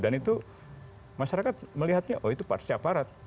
dan itu masyarakat melihatnya oh itu siaparat